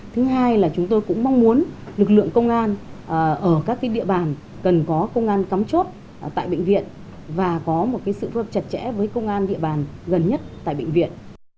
thứ hai là chúng tôi cũng mong muốn lực lượng công an ở các địa bàn cần có công an cắm chốt tại bệnh viện và có một sự phối hợp chặt chẽ với công an địa bàn gần nhất tại bệnh viện